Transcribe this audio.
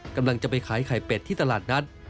กำลังจะไปขายไข่เป็ดที่ตลาดนัด